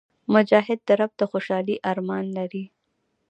مجاهد د رب د خوشحالۍ ارمان لري.